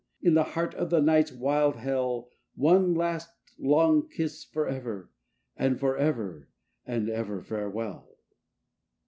in the heart of the night's wild hell, One last, long kiss forever, and forever and ever farewell.